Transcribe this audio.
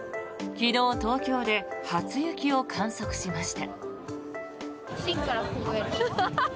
昨日、東京で初雪を観測しました。